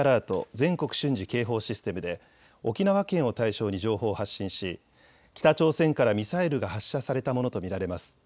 ・全国瞬時警報システムで沖縄県を対象に情報を発信し、北朝鮮からミサイルが発射されたものと見られます。